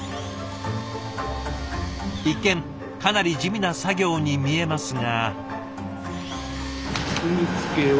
一見かなり地味な作業に見えますが。